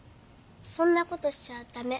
そんなことしちゃだめ。